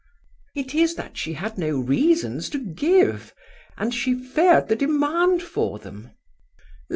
"It is that she had no reasons to give, and she feared the demand for them."